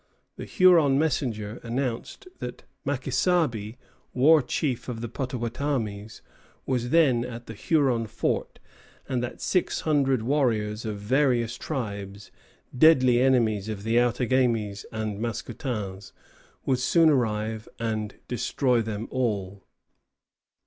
The Huron messenger announced that Makisabie, war chief of the Pottawattamies, was then at the Huron fort, and that six hundred warriors of various tribes, deadly enemies of the Outagamies and Mascoutins, would soon arrive and destroy them all.